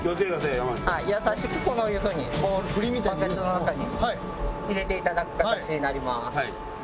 優しくこういう風にバケツの中に入れていただく形になります。